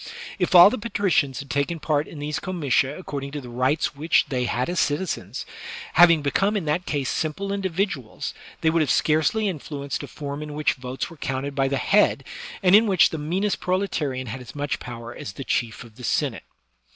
If all the patricians had taken part in these comitia according to the rights which they had as citizens, having become in that case simple individuals, they would have scarcely influenced a form in which votes were counted by the head, and in which the meanest proletarian had as much power as the Chief of the Senate.